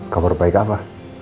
kabar baik apa